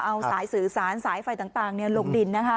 เอาสายสื่อสารสายไฟต่างลงดินนะคะ